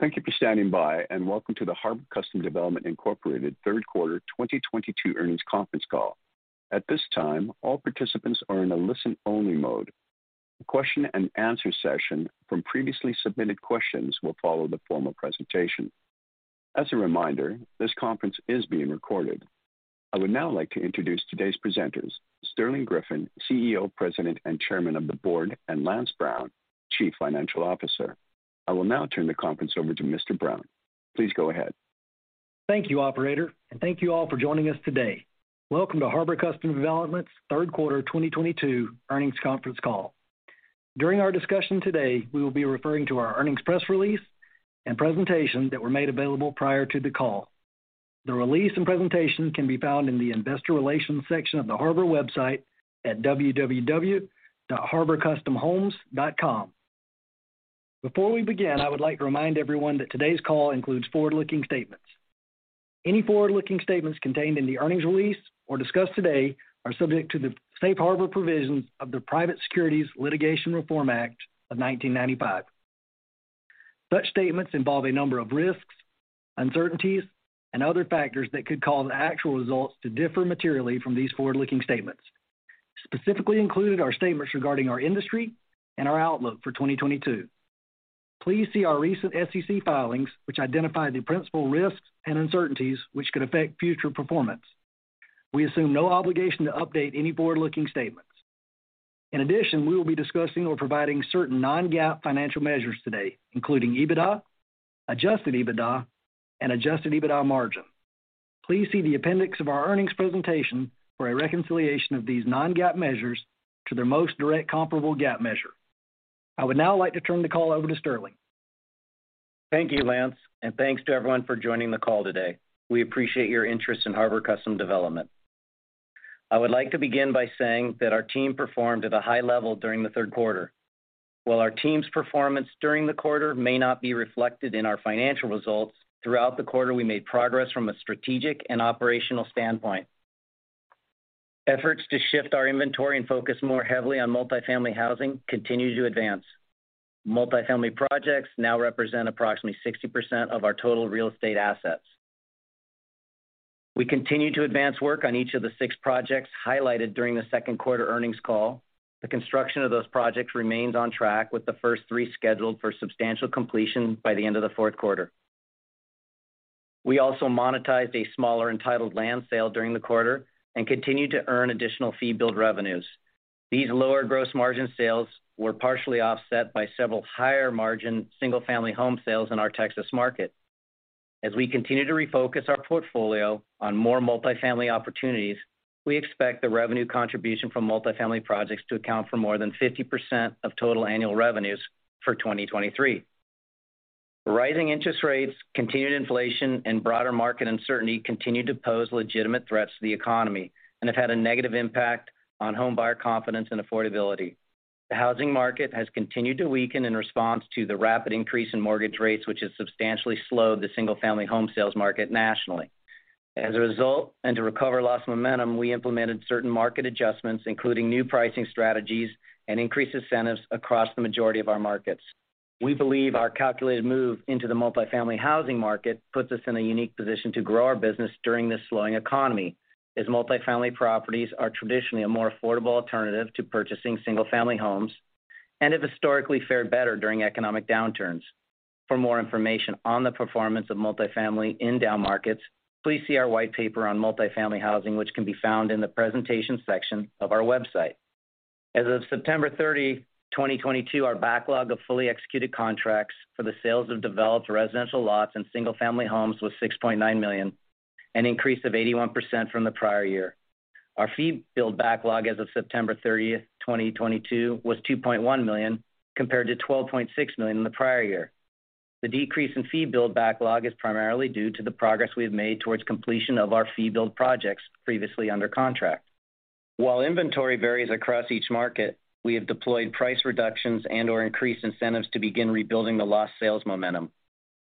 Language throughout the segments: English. Thank you for standing by, and welcome to the Harbor Custom Development, Inc. Q3 2022 earnings conference call. At this time, all participants are in a listen-only mode. A Q&A session from previously submitted questions will follow the formal presentation. As a reminder, this conference is being recorded. I would now like to introduce today's presenters, Sterling Griffin, CEO, President, and Chairman of the Board, and Lance Brown, Chief Financial Officer. I will now turn the conference over to Mr. Brown. Please go ahead. Thank you, operator, and thank you all for joining us today. Welcome to Harbor Custom Development's Q3 2022 earnings conference call. During our discussion today, we will be referring to our earnings press release and presentation that were made available prior to the call. The release and presentation can be found in the investor relations section of the Harbor website at www.harborcustomhomes.com. Before we begin, I would like to remind everyone that today's call includes forward-looking statements. Any forward-looking statements contained in the earnings release or discussed today are subject to the Safe Harbor provisions of the Private Securities Litigation Reform Act of 1995. Such statements involve a number of risks, uncertainties, and other factors that could cause actual results to differ materially from these forward-looking statements, specifically including our statements regarding our industry and our outlook for 2022. Please see our recent SEC filings, which identify the principal risks and uncertainties which could affect future performance. We assume no obligation to update any forward-looking statements. In addition, we will be discussing or providing certain non-GAAP financial measures today, including EBITDA, adjusted EBITDA, and adjusted EBITDA margin. Please see the appendix of our earnings presentation for a reconciliation of these non-GAAP measures to their most direct comparable GAAP measure. I would now like to turn the call over to Sterling. Thank you, Lance, and thanks to everyone for joining the call today. We appreciate your interest in Harbor Custom Development. I would like to begin by saying that our team performed at a high level during the Q3. While our team's performance during the quarter may not be reflected in our financial results, throughout the quarter, we made progress from a strategic and operational standpoint. Efforts to shift our inventory and focus more heavily on multifamily housing continue to advance. Multifamily projects now represent approximately 60% of our total real estate assets. We continue to advance work on each of the six projects highlighted during the Q2 earnings call. The construction of those projects remains on track, with the first three scheduled for substantial completion by the end of the Q4 We also monetized a smaller entitled land sale during the quarter and continued to earn additional fee build revenues. These lower gross margin sales were partially offset by several higher-margin single-family home sales in our Texas market. As we continue to refocus our portfolio on more multifamily opportunities, we expect the revenue contribution from multifamily projects to account for more than 50% of total annual revenues for 2023. Rising interest rates, continued inflation, and broader market uncertainty continue to pose legitimate threats to the economy and have had a negative impact on homebuyer confidence and affordability. The housing market has continued to weaken in response to the rapid increase in mortgage rates, which has substantially slowed the single-family home sales market nationally. As a result, and to recover lost momentum, we implemented certain market adjustments, including new pricing strategies and increased incentives across the majority of our markets. We believe our calculated move into the multifamily housing market puts us in a unique position to grow our business during this slowing economy, as multifamily properties are traditionally a more affordable alternative to purchasing single-family homes and have historically fared better during economic downturns. For more information on the performance of multifamily in down markets, please see our white paper on multifamily housing, which can be found in the presentation section of our website. As of September 30, 2022, our backlog of fully executed contracts for the sales of developed residential lots and single-family homes was $6.9 million, an increase of 81% from the prior year. Our fee build backlog as of September 30th, 2022 was $2.1 million, compared to $12.6 million in the prior year. The decrease in fee build backlog is primarily due to the progress we have made towards completion of our fee build projects previously under contract. While inventory varies across each market, we have deployed price reductions and/or increased incentives to begin rebuilding the lost sales momentum.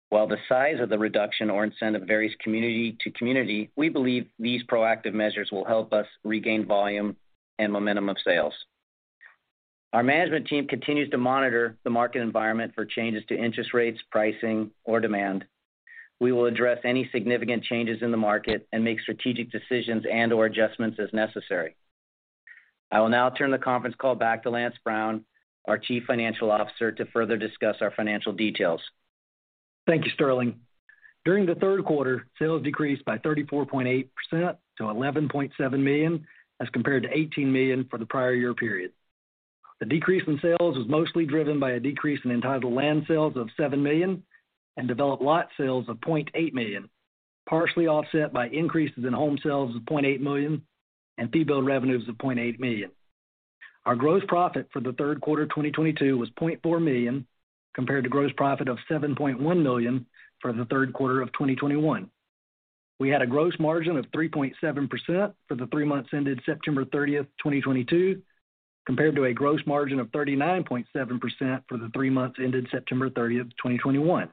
While the size of the reduction or incentive varies community to community, we believe these proactive measures will help us regain volume and momentum of sales. Our management team continues to monitor the market environment for changes to interest rates, pricing, or demand. We will address any significant changes in the market and make strategic decisions and/or adjustments as necessary. I will now turn the conference call back to Lance Brown, our Chief Financial Officer, to further discuss our financial details. Thank you, Sterling. During the Q3, sales decreased by 34.8% to $11.7 million as compared to $18 million for the prior year period. The decrease in sales was mostly driven by a decrease in entitled land sales of $7 million and developed lot sales of $0.8 million, partially offset by increases in home sales of $0.8 million and fee build revenues of $0.8 million. Our gross profit for the Q3 of 2022 was $0.4 million compared to gross profit of $7.1 million for the Q3 of 2021. We had a gross margin of 3.7% for the three months ended September 30, 2022, compared to a gross margin of 39.7% for the three months ended September 30, 2021.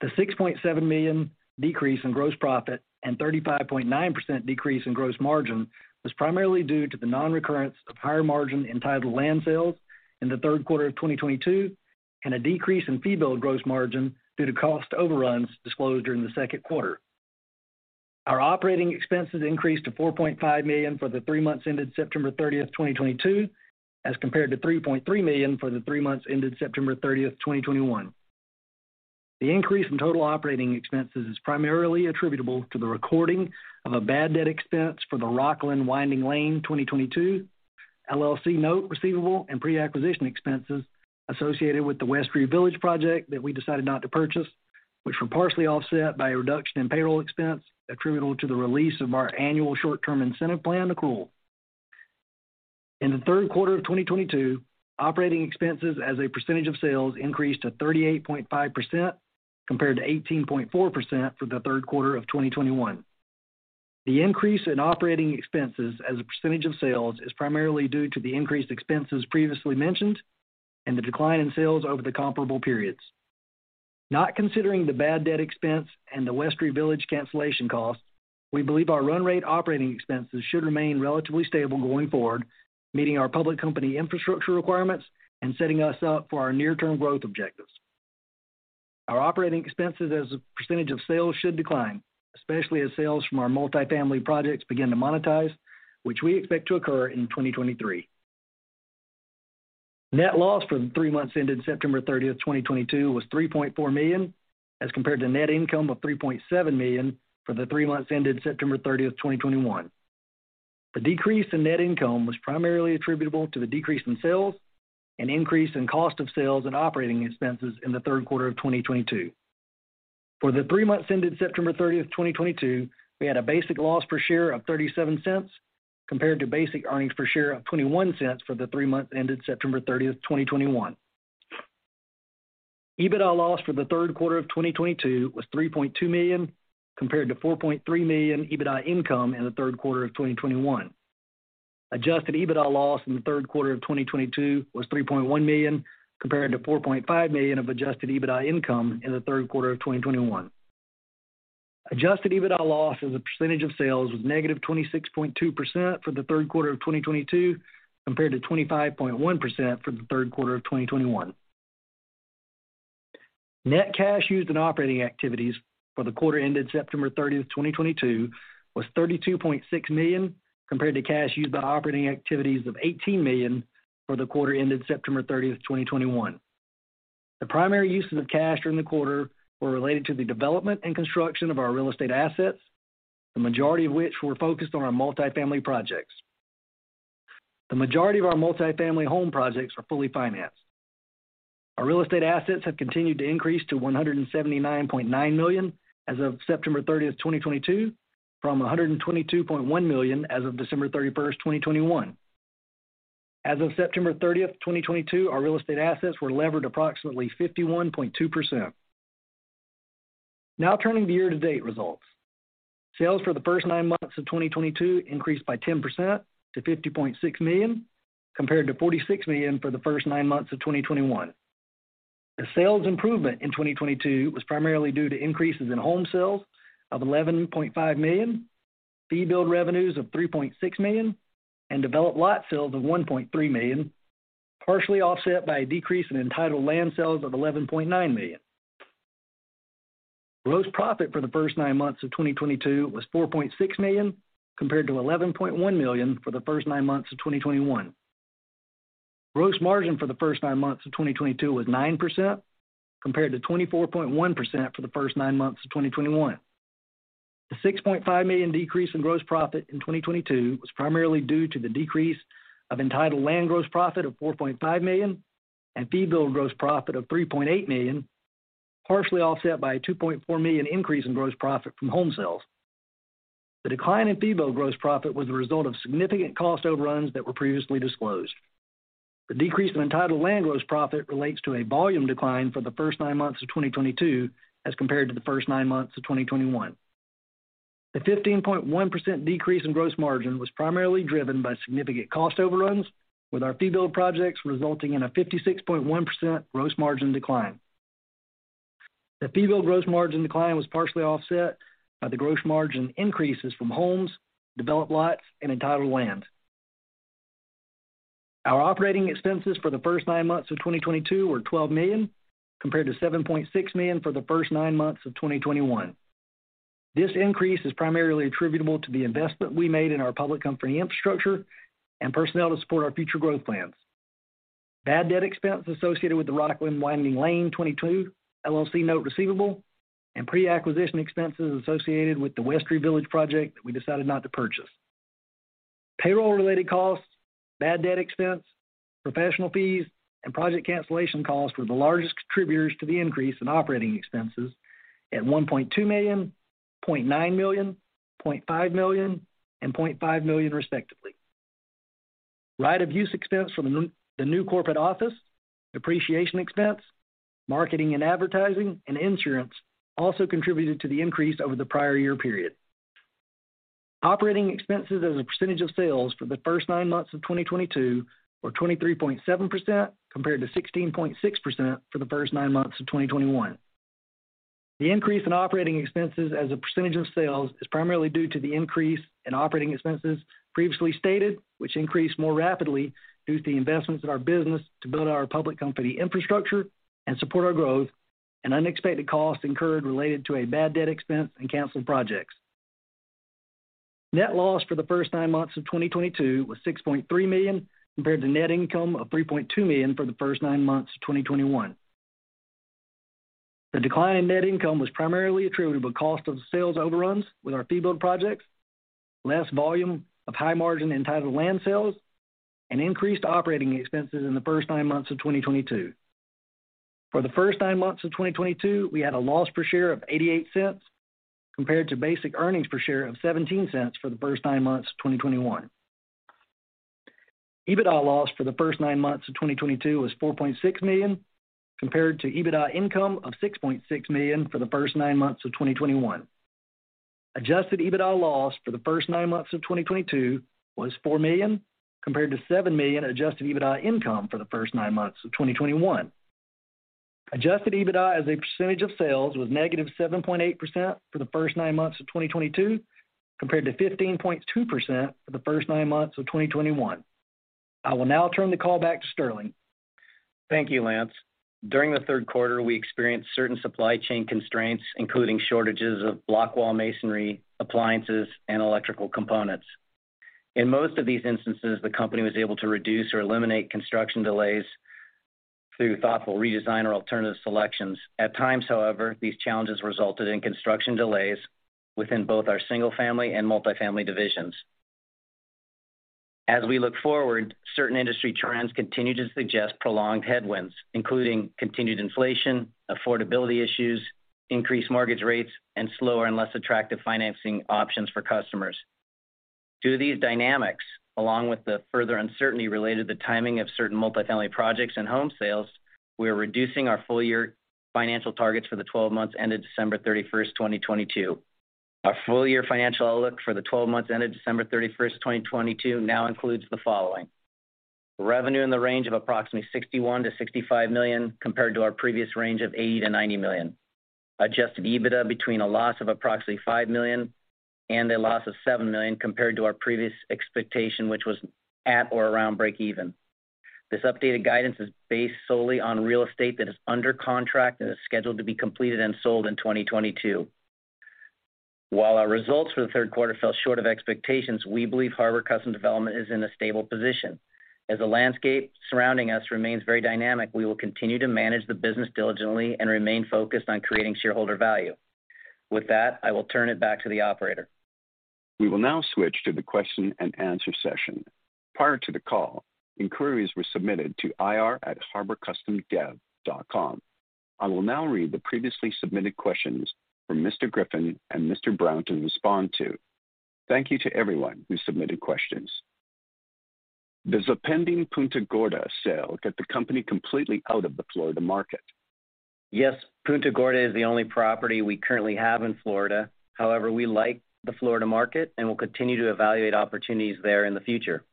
The $6.7 million decrease in gross profit and 35.9% decrease in gross margin was primarily due to the non-recurrence of higher margin entitled land sales in the Q3 of 2022, and a decrease in fee billed gross margin due to cost overruns disclosed during the Q2. Our operating expenses increased to $4.5 million for the three months ended September 30, 2022, as compared to $3.3 million for the three months ended September 30, 2021. The increase in total operating expenses is primarily attributable to the recording of a bad debt expense for the Rocklin Winding Lane 2022 LLC note receivable and pre-acquisition expenses associated with the Westerra Village project that we decided not to purchase, which were partially offset by a reduction in payroll expense attributable to the release of our annual short-term incentive plan accrual. In the Q3 of 2022, operating expenses as a percentage of sales increased to 38.5% compared to 18.4% for the Q3 of 2021. The increase in operating expenses as a percentage of sales is primarily due to the increased expenses previously mentioned and the decline in sales over the comparable periods. Not considering the bad debt expense and the Westerra Village cancellation cost, we believe our run rate operating expenses should remain relatively stable going forward, meeting our public company infrastructure requirements and setting us up for our near-term growth objectives. Our operating expenses as a percentage of sales should decline, especially as sales from our multifamily projects begin to monetize, which we expect to occur in 2023. Net loss for the three months ended September 30, 2022 was $3.4 million, as compared to net income of $3.7 million for the three months ended September 30, 2021. The decrease in net income was primarily attributable to the decrease in sales and increase in cost of sales and operating expenses in the Q3 of 2022. For the three months ended September 30, 2022, we had a basic loss per share of $0.37 compared to basic earnings per share of $0.21 for the three months ended September 30, 2021. EBITDA loss for the Q3 of 2022 was $3.2 million, compared to $4.3 million EBITDA income in the Q3 of 2021. Adjusted EBITDA loss in the Q3 of 2022 was $3.1 million, compared to $4.5 million of adjusted EBITDA income in the Q3 of 2021. Adjusted EBITDA loss as a percentage of sales was -26.2% for the Q3 of 2022, compared to 25.1% for the Q3 of 2021. Net cash used in operating activities for the quarter ended September 30, 2022 was $32.6 million, compared to cash used by operating activities of $18 million for the quarter ended September 30, 2021. The primary uses of cash during the quarter were related to the development and construction of our real estate assets, the majority of which were focused on our multifamily projects. The majority of our multifamily home projects are fully financed. Our real estate assets have continued to increase to $179.9 million as of September 30, 2022, from $122.1 million as of December 31, 2021. As of September 30, 2022, our real estate assets were levered approximately 51.2%. Now turning to year-to-date results. Sales for the first nine months of 2022 increased by 10% to $50.6 million, compared to $46 million for the first nine months of 2021. The sales improvement in 2022 was primarily due to increases in home sales of $11.5 million, fee billed revenues of $3.6 million, and developed lot sales of $1.3 million, partially offset by a decrease in entitled land sales of $11.9 million. Gross profit for the first nine months of 2022 was $4.6 million, compared to $11.1 million for the first nine months of 2021. Gross margin for the first nine months of 2022 was 9%, compared to 24.1% for the first nine months of 2021. The $6.5 million decrease in gross profit in 2022 was primarily due to the decrease of entitled land gross profit of $4.5 million and fee billed gross profit of $3.8 million, partially offset by a $2.4 million increase in gross profit from home sales. The decline in fee billed gross profit was a result of significant cost overruns that were previously disclosed. The decrease in entitled land gross profit relates to a volume decline for the first nine months of 2022 as compared to the first nine months of 2021. The 15.1% decrease in gross margin was primarily driven by significant cost overruns, with our fee billed projects resulting in a 56.1% gross margin decline. The fee billed gross margin decline was partially offset by the gross margin increases from homes, developed lots, and entitled land. Our operating expenses for the first nine months of 2022 were $12 million, compared to $7.6 million for the first nine months of 2021. This increase is primarily attributable to the investment we made in our public company infrastructure and personnel to support our future growth plans, bad debt expenses associated with the Rocklin Winding Lane 2022 LLC note receivable and pre-acquisition expenses associated with the Westerra Village project that we decided not to purchase. Payroll-related costs, bad debt expense, professional fees, and project cancellation costs were the largest contributors to the increase in operating expenses at $1.2 million, $0.9 million, $0.5 million, and $0.5 million, respectively. Right-of-use expense from the new corporate office, depreciation expense, marketing and advertising, and insurance also contributed to the increase over the prior year period. Operating expenses as a percentage of sales for the first nine months of 2022 were 23.7%, compared to 16.6% for the first nine months of 2021. The increase in operating expenses as a percentage of sales is primarily due to the increase in operating expenses previously stated, which increased more rapidly due to the investments in our business to build our public company infrastructure and support our growth and unexpected costs incurred related to a bad debt expense and canceled projects. Net loss for the first nine months of 2022 was $6.3 million, compared to net income of $3.2 million for the first nine months of 2021. The decline in net income was primarily attributable to cost of sales overruns with our fee build projects, less volume of high-margin entitled land sales, and increased operating expenses in the first nine months of 2022. For the first nine months of 2022, we had a loss per share of $0.88, compared to basic earnings per share of $0.17 for the first nine months of 2021. EBITDA loss for the first nine months of 2022 was $4.6 million, compared to EBITDA income of $6.6 million for the first nine months of 2021. Adjusted EBITDA loss for the first nine months of 2022 was $4 million, compared to $7 million adjusted EBITDA income for the first nine months of 2021. Adjusted EBITDA as a percentage of sales was -7.8% for the first nine months of 2022, compared to 15.2% for the first nine months of 2021. I will now turn the call back to Sterling. Thank you, Lance. During the Q3, we experienced certain supply chain constraints, including shortages of block wall masonry, appliances, and electrical components. In most of these instances, the company was able to reduce or eliminate construction delays through thoughtful redesign or alternative selections. At times, however, these challenges resulted in construction delays within both our single-family and multifamily divisions. As we look forward, certain industry trends continue to suggest prolonged headwinds, including continued inflation, affordability issues, increased mortgage rates, and slower and less attractive financing options for customers. Due to these dynamics, along with the further uncertainty related to the timing of certain multifamily projects and home sales, we are reducing our full-year financial targets for the 12 months ended December 31, 2022. Our full-year financial outlook for the 12 months ended December 31, 2022 now includes the following. Revenue in the range of approximately $61 million-$65 million, compared to our previous range of $80 million-$90 million. Adjusted EBITDA between a loss of approximately $5 million and a loss of $7 million, compared to our previous expectation, which was at or around breakeven. This updated guidance is based solely on real estate that is under contract and is scheduled to be completed and sold in 2022. While our results for the Q3 fell short of expectations, we believe Harbor Custom Development is in a stable position. As the landscape surrounding us remains very dynamic, we will continue to manage the business diligently and remain focused on creating shareholder value. With that, I will turn it back to the operator. We will now switch to the question and answer session. Prior to the call, inquiries were submitted to IR@harborcustomdev.com. I will now read the previously submitted questions for Mr. Griffin and Mr. Brown to respond to. Thank you to everyone who submitted questions. Does the pending Punta Gorda sale get the company completely out of the Florida market? Yes. Punta Gorda is the only property we currently have in Florida. However, we like the Florida market and will continue to evaluate opportunities there in the future.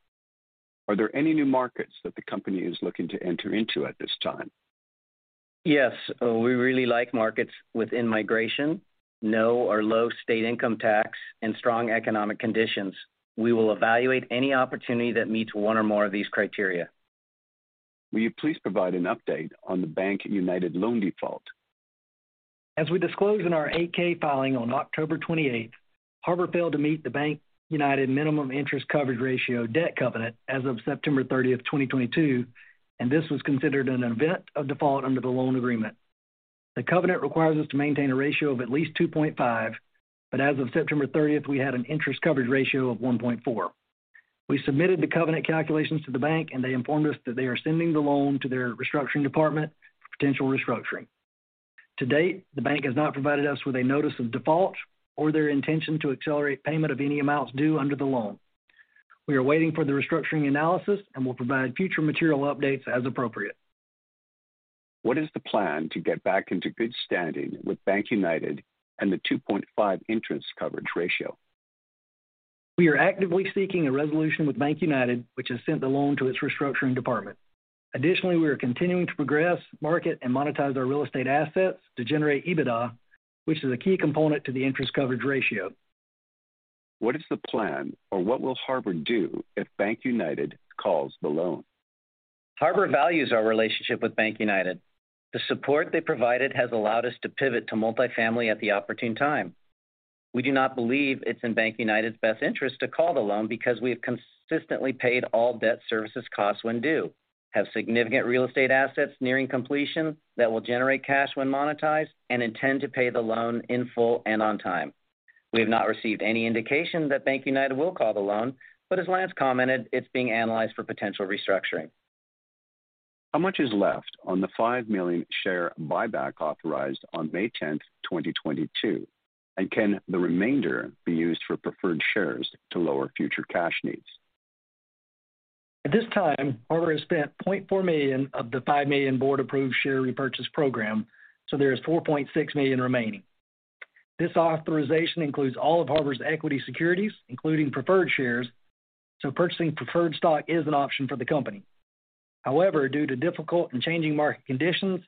Are there any new markets that the company is looking to enter into at this time? Yes. We really like markets with in-migration, no or low state income tax, and strong economic conditions. We will evaluate any opportunity that meets one or more of these criteria. Will you please provide an update on the BankUnited loan default? As we disclosed in our 8-K filing on October 28th, Harbor failed to meet the BankUnited minimum interest coverage ratio debt covenant as of September 30, 2022, and this was considered an event of default under the loan agreement. The covenant requires us to maintain a ratio of at least 2.5, but as of September 30, we had an interest coverage ratio of 1.4. We submitted the covenant calculations to the bank, and they informed us that they are sending the loan to their restructuring department for potential restructuring. To date, the bank has not provided us with a notice of default or their intention to accelerate payment of any amounts due under the loan. We are waiting for the restructuring analysis and will provide future material updates as appropriate. What is the plan to get back into good standing with BankUnited and the 2.5 interest coverage ratio? We are actively seeking a resolution with BankUnited, which has sent the loan to its restructuring department. Additionally, we are continuing to progress, market, and monetize our real estate assets to generate EBITDA, which is a key component to the interest coverage ratio. What is the plan or what will Harbor do if BankUnited calls the loan? Harbor values our relationship with BankUnited. The support they provided has allowed us to pivot to multifamily at the opportune time. We do not believe it's in BankUnited's best interest to call the loan because we have consistently paid all debt service costs when due, have significant real estate assets nearing completion that will generate cash when monetized, and intend to pay the loan in full and on time. We have not received any indication that BankUnited will call the loan, but as Lance commented, it's being analyzed for potential restructuring. How much is left on the 5 million share buyback authorized on May 10, 2022? Can the remainder be used for preferred shares to lower future cash needs? At this time, Harbor has spent $0.4 million of the $5 million board-approved share repurchase program, so there is $4.6 million remaining. This authorization includes all of Harbor's equity securities, including preferred shares, so purchasing preferred stock is an option for the company. However, due to difficult and changing market conditions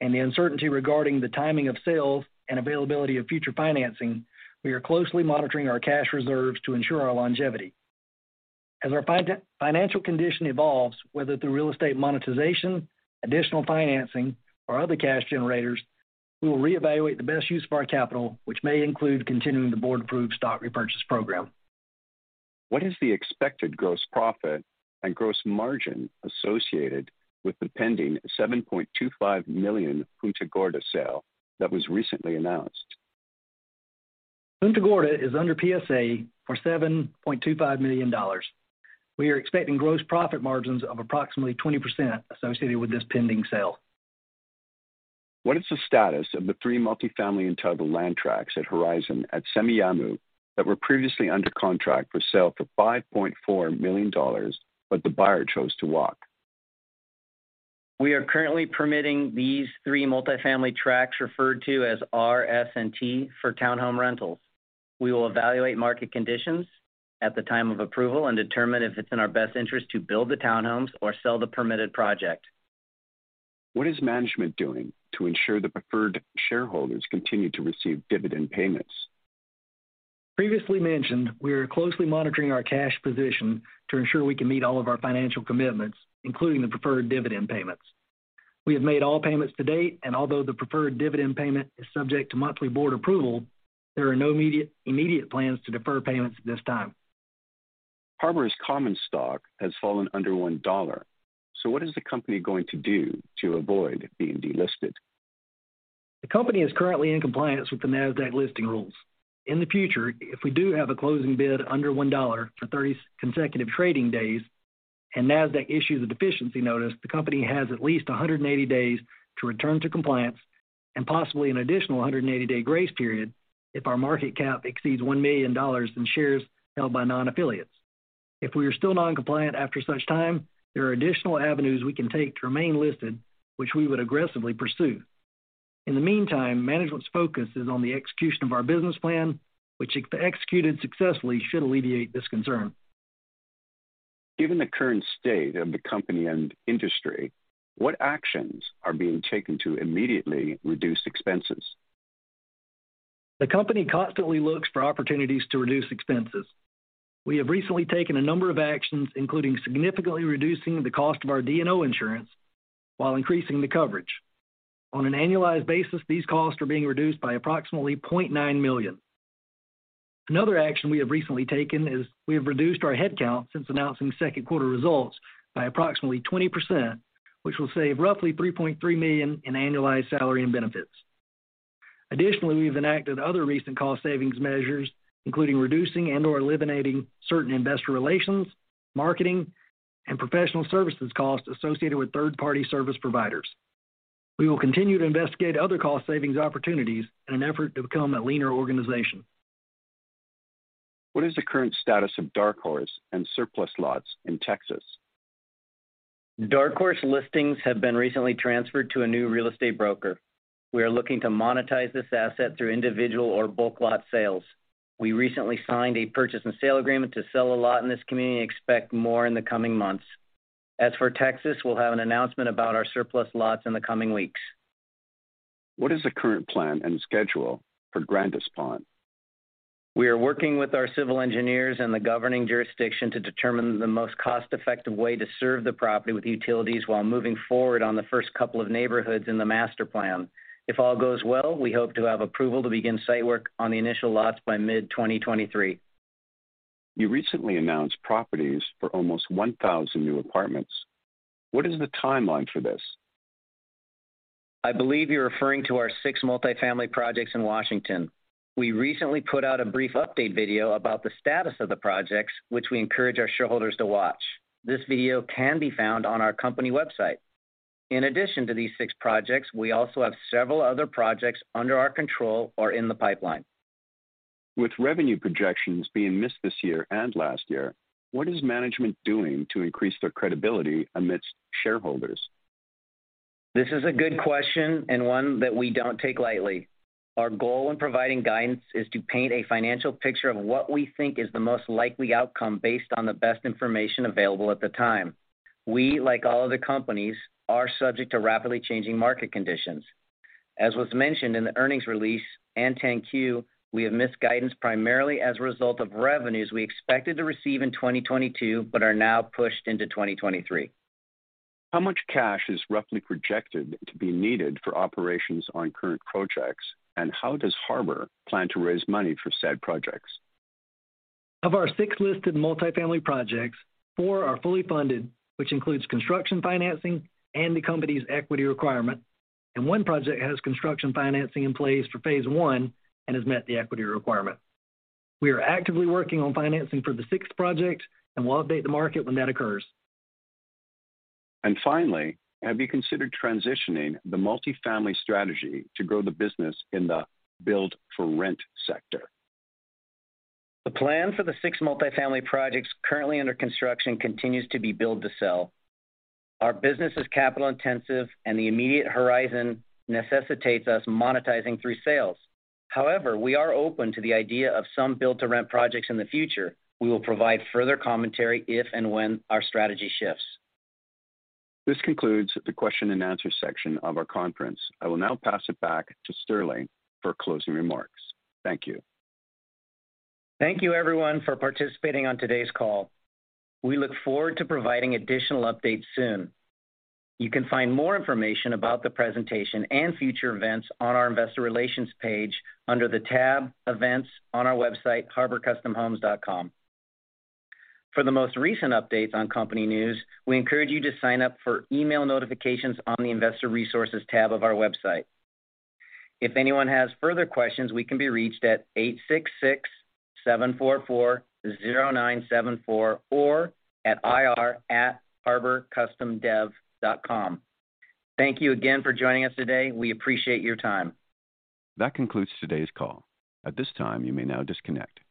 and the uncertainty regarding the timing of sales and availability of future financing, we are closely monitoring our cash reserves to ensure our longevity. As our financial condition evolves, whether through real estate monetization, additional financing, or other cash generators, we will reevaluate the best use of our capital, which may include continuing the board-approved stock repurchase program. What is the expected gross profit and gross margin associated with the pending $7.25 million Punta Gorda sale that was recently announced? Punta Gorda is under PSA for $7.25 million. We are expecting gross profit margins of approximately 20% associated with this pending sale. What is the status of the three multifamily and titled land tracts at Horizon at Semiahmoo that were previously under contract for sale for $5.4 million, but the buyer chose to walk? We are currently permitting these three multifamily tracts referred to as R, S, and T for townhome rentals. We will evaluate market conditions at the time of approval and determine if it's in our best interest to build the townhomes or sell the permitted project. What is management doing to ensure the preferred shareholders continue to receive dividend payments? Previously mentioned, we are closely monitoring our cash position to ensure we can meet all of our financial commitments, including the preferred dividend payments. We have made all payments to date, and although the preferred dividend payment is subject to monthly board approval, there are no immediate plans to defer payments at this time. Harbor's common stock has fallen under $1. What is the company going to do to avoid being delisted? The company is currently in compliance with the Nasdaq listing rules. In the future, if we do have a closing bid under $1 for 30 consecutive trading days and Nasdaq issues a deficiency notice, the company has at least 180 days to return to compliance and possibly an additional 180-day grace period if our market cap exceeds $1 million in shares held by non-affiliates. If we are still non-compliant after such time, there are additional avenues we can take to remain listed, which we would aggressively pursue. In the meantime, management's focus is on the execution of our business plan, which if executed successfully, should alleviate this concern. Given the current state of the company and industry, what actions are being taken to immediately reduce expenses? The company constantly looks for opportunities to reduce expenses. We have recently taken a number of actions, including significantly reducing the cost of our D&O insurance while increasing the coverage. On an annualized basis, these costs are being reduced by approximately $0.9 million. Another action we have recently taken is we have reduced our headcount since announcing Q2 results by approximately 20%, which will save roughly $3.3 million in annualized salary and benefits. Additionally, we've enacted other recent cost savings measures, including reducing and/or eliminating certain investor relations, marketing, and professional services costs associated with third-party service providers. We will continue to investigate other cost savings opportunities in an effort to become a leaner organization. What is the current status of Dark Horse and surplus lots in Texas? Dark Horse listings have been recently transferred to a new real estate broker. We are looking to monetize this asset through individual or bulk lot sales. We recently signed a purchase and sale agreement to sell a lot in this community and expect more in the coming months. As for Texas, we'll have an announcement about our surplus lots in the coming weeks. What is the current plan and schedule for Grandis Pond? We are working with our civil engineers and the governing jurisdiction to determine the most cost-effective way to serve the property with utilities while moving forward on the first couple of neighborhoods in the master plan. If all goes well, we hope to have approval to begin site work on the initial lots by mid-2023. You recently announced properties for almost 1,000 new apartments. What is the timeline for this? I believe you're referring to our six multifamily projects in Washington. We recently put out a brief update video about the status of the projects, which we encourage our shareholders to watch. This video can be found on our company website. In addition to these six projects, we also have several other projects under our control or in the pipeline. With revenue projections being missed this year and last year, what is management doing to increase their credibility amidst shareholders? This is a good question and one that we don't take lightly. Our goal in providing guidance is to paint a financial picture of what we think is the most likely outcome based on the best information available at the time. We, like all other companies, are subject to rapidly changing market conditions. As was mentioned in the earnings release and 10-Q, we have missed guidance primarily as a result of revenues we expected to receive in 2022 but are now pushed into 2023. How much cash is roughly projected to be needed for operations on current projects, and how does Harbor plan to raise money for said projects? Of our 6 listed multifamily projects, 4 are fully funded, which includes construction financing and the company's equity requirement. One project has construction financing in place for phase one and has met the equity requirement. We are actively working on financing for the sixth project, and we'll update the market when that occurs. Finally, have you considered transitioning the multifamily strategy to grow the business in the build-for-rent sector? The plan for the six multifamily projects currently under construction continues to be build to sell. Our business is capital intensive and the immediate horizon necessitates us monetizing through sales. However, we are open to the idea of some build-to-rent projects in the future. We will provide further commentary if and when our strategy shifts. This concludes the question and answer section of our conference. I will now pass it back to Sterling for closing remarks. Thank you. Thank you everyone for participating on today's call. We look forward to providing additional updates soon. You can find more information about the presentation and future events on our investor relations page under the tab Events on our website, harborcustomhomes.com. For the most recent updates on company news, we encourage you to sign up for email notifications on the Investor Resources tab of our website. If anyone has further questions, we can be reached at 866-744-0974 or at IR@harborcustomdev.com. Thank you again for joining us today. We appreciate your time. That concludes today's call. At this time, you may now disconnect. Thank you.